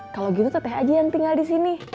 kalau gitu sate aja yang tinggal di sini